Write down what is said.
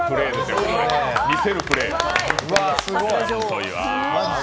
見せるプレー。